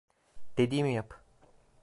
Dediğimi yap.